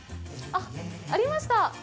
あっ、ありました！